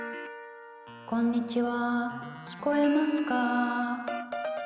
「こんにちは聞こえますか」